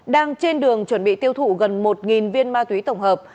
đang trên đường chuẩn bị tiêu thụ gần một viên ma túy tổng hợp